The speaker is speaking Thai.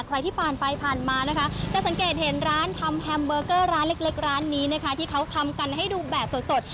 ใครที่ผ่านไปผ่านมานะคะจะสังเกตเห็นร้านทำแฮมเบอร์เกอร์ร้านเล็กร้านนี้นะคะที่เขาทำกันให้ดูแบบสด